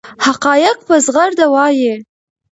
حقایق په زغرده وایي.